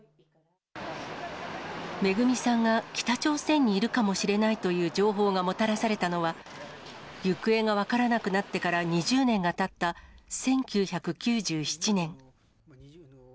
めぐみさんが北朝鮮にいるかもしれないという情報がもたらされたのは、行方が分からなくなってから２０年がたった１９９７年。